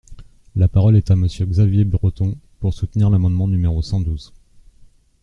La parole est à Monsieur Xavier Breton, pour soutenir l’amendement numéro cent douze.